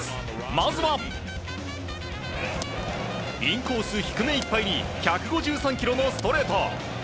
まずはインコース低めいっぱいに１５３キロのストレート。